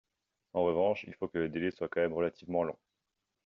En revanche, il faut que le délai soit quand même relativement long.